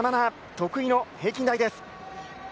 得意の平均台です。